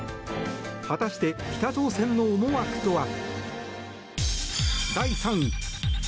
果たして、北朝鮮の思惑とは。